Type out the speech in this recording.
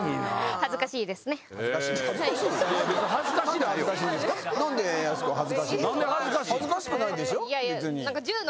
恥ずかしくないでしょ別に。